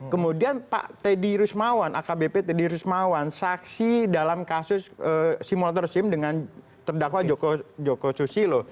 kemudian pak teddy rusmawan akbp teddy rusmawan saksi dalam kasus simulator sim dengan terdakwa joko susilo